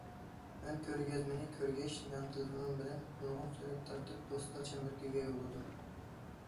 مەن كۆرگەزمىنى كۆرگەچ، يان تېلېفونۇم بىلەن نۇرغۇن سۈرەت تارتىپ، دوستلار چەمبىرىكىگە يوللىدىم.